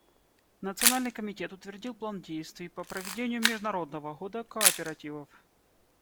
Национальный комитет утвердил план действий по проведению Международного года кооперативов.